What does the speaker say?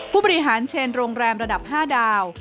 ผู้บริหารเชนโรงแรมระดับ๕ดาว